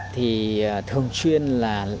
thì thường xuyên là